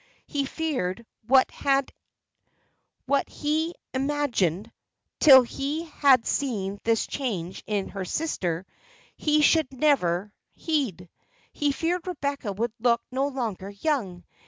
He feared, what he imagined (till he had seen this change in her sister) he should never heed. He feared Rebecca would look no longer young.